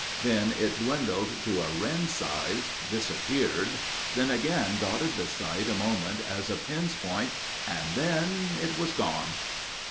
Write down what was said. Then it dwindled to a wren's size, disappeared, then again dotted the sight a moment as a pin's point, and then—it was gone!